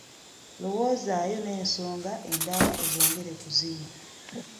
Lowoozaayo n'ensonga endala ozongere ku zino.